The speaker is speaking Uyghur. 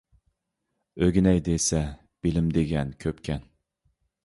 ئۆگىنەي دېسە بىلىم دېگەن كۆپكەن.